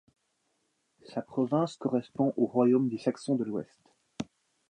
Sa province correspond au royaume des Saxons de l'Ouest.